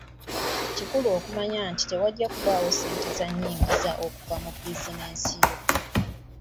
Kikulu okujjukira nti tewajja kubeerawo ssentez’oyingiza okuva mu bizinensi yo.